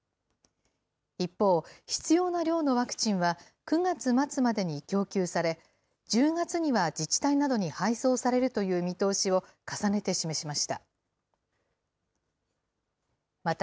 一方、必要な量のワクチンは９月末までに供給され、１０月には自治体などに配送されるという見通しを重ねて示しました。